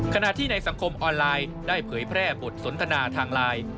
ขณะที่ในสังคมออนไลน์ได้เผยแพร่บทสนทนาทางไลน์